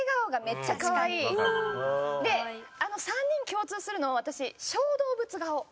３人に共通するのは私小動物顔。